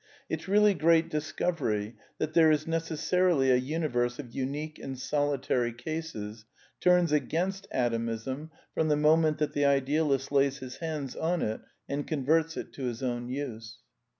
Its really great discovery — that there is necessarily y>^ a universal of unique and solitary cases — turns against U/ Atomism from the moment that the idealist lays his hands I on it and converts it to his own use.